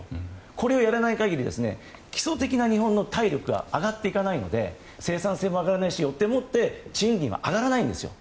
これをやらない限り基礎的な日本の体力が上がっていかないので生産性も上がらなくて賃金は上がらないんですよ。